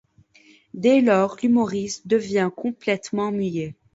Dès lors, l'humoriste devient complètement muet.